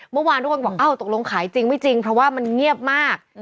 เมื่อวานทุกคนบอกตกลงขายจริงไม่จริงเพราะว่ามันเงียบมาก